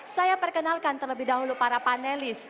saya perkenalkan terlebih dahulu para panelis